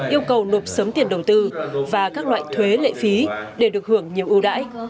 yêu cầu nộp sớm tiền đầu tư và các loại thuế lệ phí để được hưởng nhiều ưu đãi